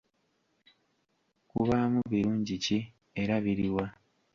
Kubaamu birungi ki era biri wa?